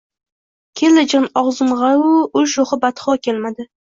Keldi jon ogʼzimgʼavu ul shoʼxi badxoʼ kelmadi…